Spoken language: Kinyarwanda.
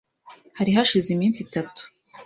Hari hashize iminsi itatu.